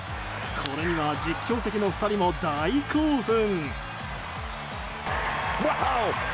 これには実況席の２人も大興奮。